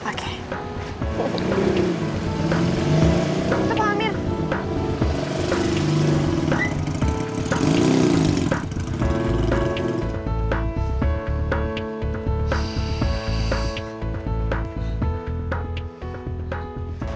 itu pak amir